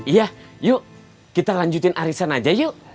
iya yuk kita lanjutin arisan aja yuk